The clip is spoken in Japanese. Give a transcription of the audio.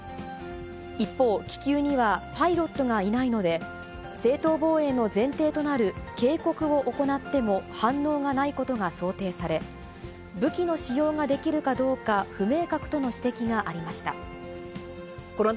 一方、気球にはパイロットがいないので、正当防衛の前提となる警告を行っても反応がないことが想定され、武器の使用ができるかどうか不明確との指摘がありました。